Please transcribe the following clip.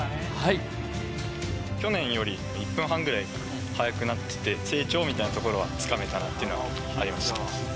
去年より１分半ぐらい早くなってて、成長みたいなところはつかめたなっていうのはありました。